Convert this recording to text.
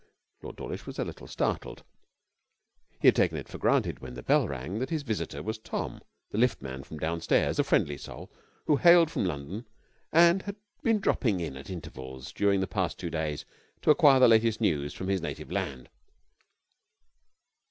Lord Dawlish was a little startled. He had taken it for granted, when the bell rang, that his visitor was Tom, the liftman from downstairs, a friendly soul who hailed from London and had been dropping in at intervals during the past two days to acquire the latest news from his native land.